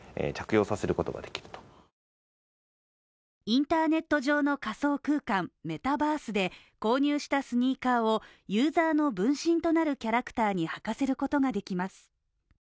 インターネット上の仮想空間メタバースで購入したスニーカーをユーザーの分身となるキャラクターに履かせることができます。